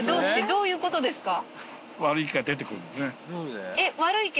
どういうことですか？